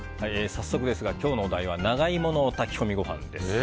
早速ですが今日のお題は長イモの炊き込みご飯です。